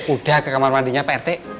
udah ke kamar mandinya pak rt